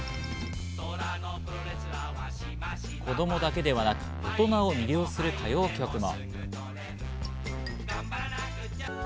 子供だけではなく大人を魅了する歌謡曲も。